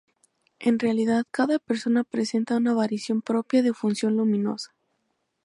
En realidad, cada persona presenta una variación propia de función luminosa.